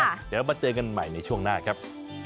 เดี๋ยวมาเจอกันใหม่ในช่วงหน้าครับ